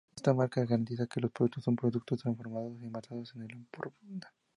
Esta marca garantiza que los productos son producidos, transformados y envasados en el Ampurdán.